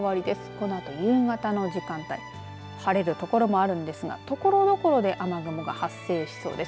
このあと夕方の時間帯晴れる所もあるんですがところどころで雨雲が発生しそうです。